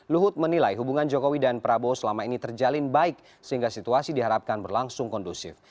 luhut menilai hubungan jokowi dan prabowo selama ini terjalin baik sehingga situasi diharapkan berlangsung kondusif